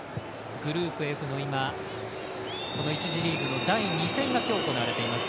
グループＦの１次リーグの第２戦が今日、行われています。